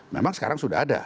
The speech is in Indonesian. memang sekarang sudah ada